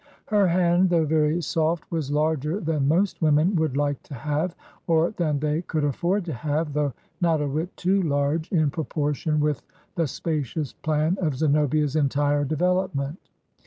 Her hand, though very soft, was larger than most women would like to have, or than they could afford to have, though not a whit too large in proportion with the spacious plan of Zenobia's entire development.